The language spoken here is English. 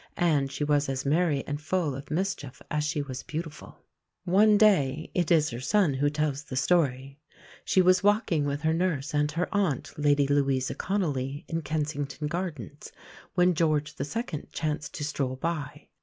And she was as merry and full of mischief as she was beautiful. One day (it is her son who tells the story) she was walking with her nurse and her aunt, Lady Louisa Conolly, in Kensington Gardens, when George II. chanced to stroll by.